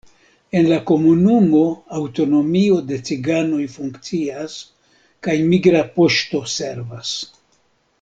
En la komunumo aŭtonomio de ciganoj funkcias kaj migra poŝto servas.